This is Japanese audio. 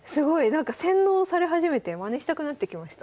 なんか洗脳され始めてまねしたくなってきました。